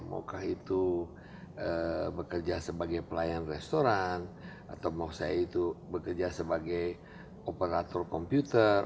maukah itu bekerja sebagai pelayan restoran atau mau saya itu bekerja sebagai operator komputer